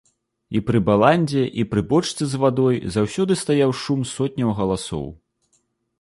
І пры баландзе і пры бочцы з вадой заўсёды стаяў шум сотняў галасоў.